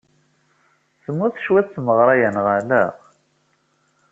Temmut cwiṭ tmeɣra-a, neɣ ala?